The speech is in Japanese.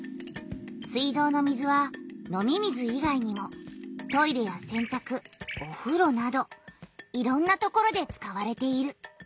水道の水は飲み水いがいにもトイレやせんたくおふろなどいろんなところで使われている。